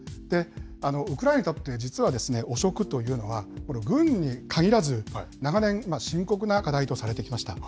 ウクライナにとって、実は汚職というのは、これ、軍に限らず、長年、深刻な課題とされてきました。